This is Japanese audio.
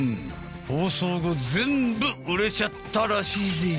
放送後全部売れちゃったらしいぜよ。